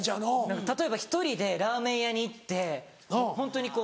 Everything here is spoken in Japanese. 例えば１人でラーメン屋に行ってホントにこう